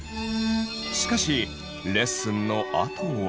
しかしレッスンのあとは。